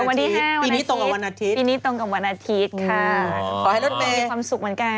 ขอให้รถเมย์มีความสุขเหมือนกัน